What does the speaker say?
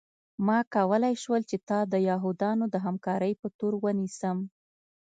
ما کولی شول چې تا د یهودانو د همکارۍ په تور ونیسم